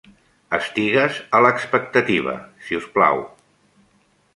Estigues a l'expectativa, si us plau.